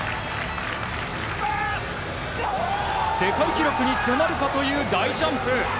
世界記録に迫るかという大ジャンプ！